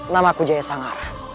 namaku jaya sangara